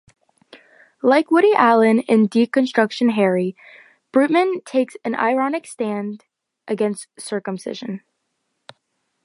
Like Woody Allen in "Deconstructed Harry", Burman takes an ironic stand against circumcision.